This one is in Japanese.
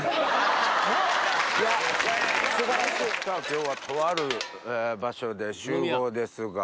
今日はとある場所で集合ですが。